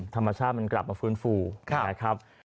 ธรรมชาติมันกลับมาฟื้นฟูนะครับ